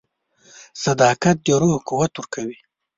• صداقت د روح قوت ورکوي.